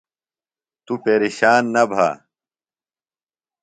توۡ پیرشان نہ بھہ۔